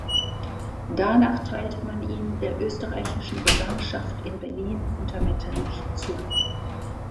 Danach teilte man ihn der österreichischen Gesandtschaft in Berlin unter Metternich zu.